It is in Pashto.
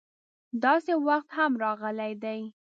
داسې وخت هم راغلی دی.